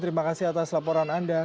terima kasih atas laporan anda